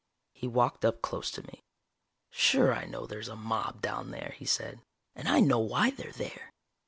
He walked up close to me. "Sure I know there's a mob down there," he said. "And I know why they're there.